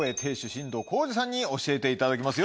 進藤浩二さんに教えていただきます